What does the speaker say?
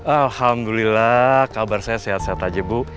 alhamdulillah kabar saya sehat sehat aja bu